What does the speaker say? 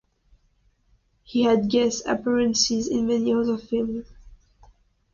He had guest appearances in many other films.